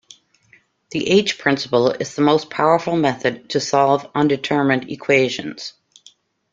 The h-principle is the most powerful method to solve underdetermined equations.